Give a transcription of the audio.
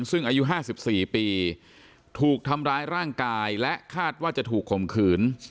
ซึ่งอายุ๕๔ปีถูกทำร้ายร่างกายและคาดว่าจะถูกข่มขืน